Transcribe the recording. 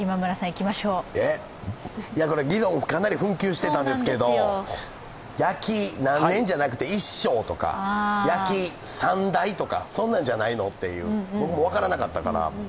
議論かなり紛糾してたんですけど、焼き何年じゃなくて一生とか、焼き３代とか、そんなんじゃないのっていう。